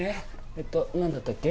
えっと何だったっけ？